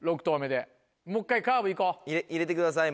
入れてください